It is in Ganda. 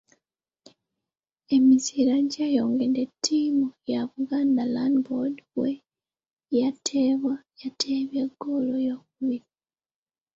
Emizira gyeyongedde ttiimu ya Buganda Land Board bwe yateebye ggoolo eyookubiri.